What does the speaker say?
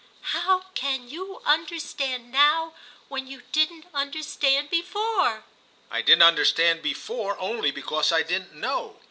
"How can you understand now when you didn't understand before?" "I didn't understand before only because I didn't know.